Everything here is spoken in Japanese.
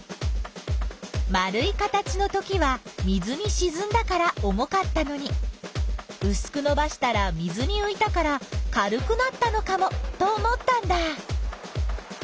丸い形のときは水にしずんだから重かったのにうすくのばしたら水にういたから軽くなったのかもと思ったんだ。